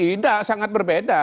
tidak sangat berbeda